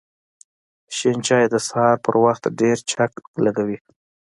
شین چای د سهار په وخت ډېر چک لږوی